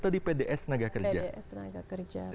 itu di pds naga kerja